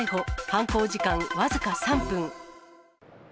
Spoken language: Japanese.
犯行時間僅か３分。